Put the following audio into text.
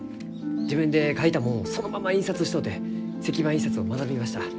自分で描いたもんをそのまま印刷しとうて石版印刷を学びました。